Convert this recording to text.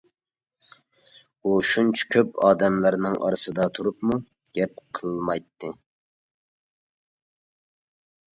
ئۇ شۇنچە كۆپ ئادەملەرنىڭ ئارىسىدا تۇرۇپمۇ گەپ قىلمايتتى.